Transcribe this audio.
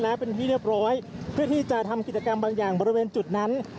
แล้วเป็นที่เรียบร้อยเพื่อที่จะทำกิจกรรมบางอย่างบริเวณจุดนั้น